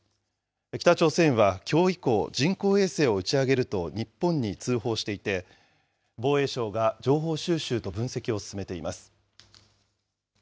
北朝鮮はきょう以降、人工衛星を打ち上げると、日本に通報していて、防衛省が情報収集と分析を進めています。